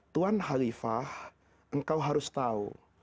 tuan halifah engkau harus tahu